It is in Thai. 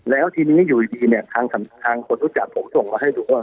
แล้วทีนี้อยู่ดีเนี่ยทางคนรู้จักผมส่งมาให้ดูว่า